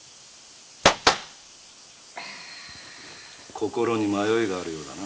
心に迷いがあるようだな。